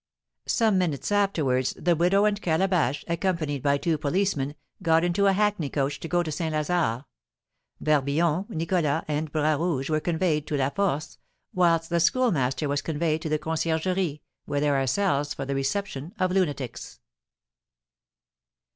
Some minutes afterwards the widow and Calabash, accompanied by two policemen, got into a hackney coach to go to St. Lazare; Barbillon, Nicholas, and Bras Rouge were conveyed to La Force, whilst the Schoolmaster was conveyed to the Conciergerie, where there are cells for the reception of lunatics.